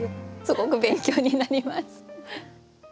すごく勉強になります。